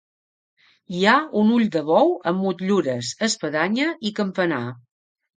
Hi ha un ull de bou amb motllures, espadanya i campanar.